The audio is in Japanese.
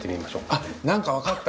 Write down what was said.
あっ何か分かった！